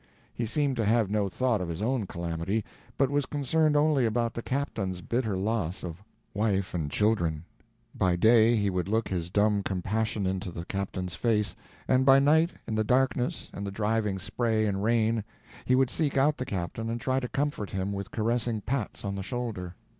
He seemed to have no thought of his own calamity, but was concerned only about the captain's bitter loss of wife and children. By day he would look his dumb compassion in the captain's face; and by night, in the darkness and the driving spray and rain, he would seek out the captain and try to comfort him with caressing pats on the shoulder.